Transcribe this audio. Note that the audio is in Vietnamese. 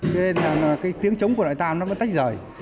thế nên là cái tiếng trống của loại tam nó vẫn tách rời